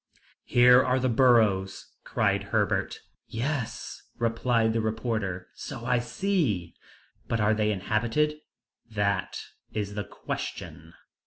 "Here are the burrows!" cried Herbert. "Yes," replied the reporter, "so I see." "But are they inhabited?" "That is the question."